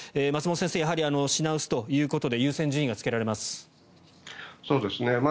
松本先生、品薄ということで優先順位がつけられます。